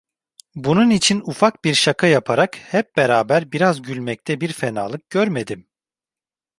Bunun için ufak bir şaka yaparak hep beraber biraz gülmekte bir fenalık görmedim.